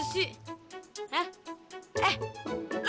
ngapain sih bu